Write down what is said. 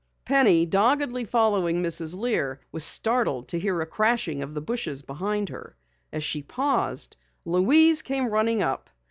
Penny, doggedly following Mrs. Lear, was startled to hear a crashing of the bushes behind her. As she paused, Louise came running up.